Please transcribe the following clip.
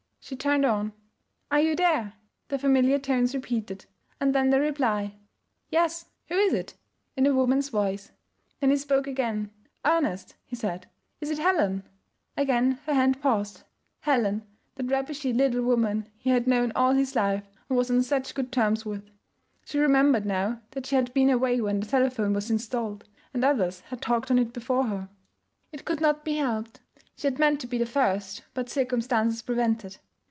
She turned on; 'Are you there?' the familiar tones repeated. And then the reply, 'Yes, who is it?' in a woman's voice. Then he spoke again: 'Ernest,' he said. 'Is it Helen?' Again her hand paused. Helen that rubbishy little woman he had known all his life and was on such good terms with. She remembered now, that she had been away when the telephone was installed and others had talked on it before her. It could not be helped: she had meant to be the first, but circumstances prevented.